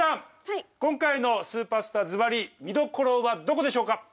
今回の「スーパースター」ずばり見どころはどこでしょうか？